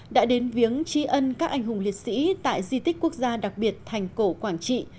đã đến viếng tri ân các anh hùng liệt sĩ tại di tích quốc gia đặc biệt thành cổ quảng trị